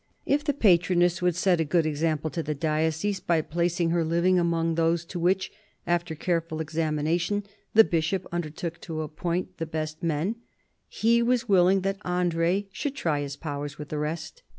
If the patroness would set a good example to the diocese by placing her living among those to which, after careful examination, the Bishop undertook to appoint the best men, he was willing that Andre should try his powers with the rest.